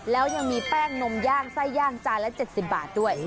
แล้วยังมีแป้งนมย่างไส้ย่างจานละ๗๐บาทด้วย